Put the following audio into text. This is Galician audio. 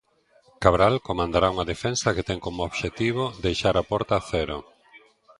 Cabral comandará unha defensa que ten como obxectivo deixar a porta a cero.